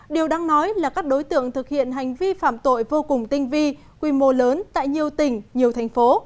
điều đang nói là các đối tượng thực hiện hành vi phạm tội vô cùng tinh vi quy mô lớn tại nhiều tỉnh nhiều thành phố